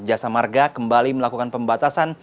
jasa marga kembali melakukan pembatasan